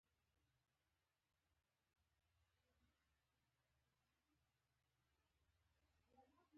پر یوه اس مو چې لایټ فور مي نومېده شرط وتاړه.